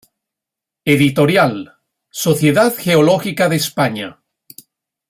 Editorial: Sociedad Geológica de España.